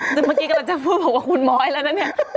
แต่เมื่อกี้กำลังจะพูดบอกว่าคุณม้อยแล้วนะเนี่ย